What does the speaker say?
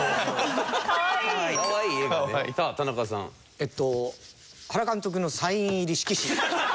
えっと原監督のサイン入り色紙。